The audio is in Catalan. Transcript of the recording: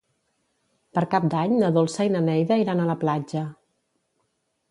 Per Cap d'Any na Dolça i na Neida iran a la platja.